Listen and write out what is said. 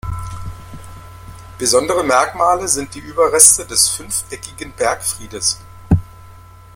Besondere Merkmale sind die Überreste des fünfeckigen Bergfriedes.